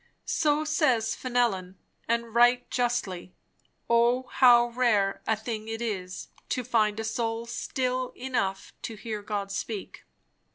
So says F?nelon, and right justly "O how rare a thing is it, to find a soul still enough to hear God speak!"